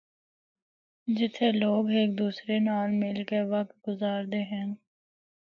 جتھا لوگ ہک دوسرے نال مل کے وقت گزاردے ہن۔